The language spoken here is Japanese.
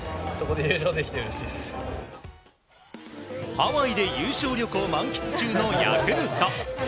ハワイで優勝旅行を満喫中のヤクルト。